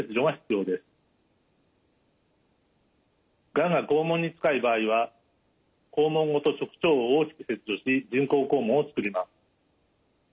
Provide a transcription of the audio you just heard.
がんが肛門に近い場合は肛門ごと直腸を大きく切除し人工肛門をつくります。